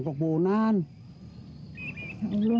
gak bakal jadi dua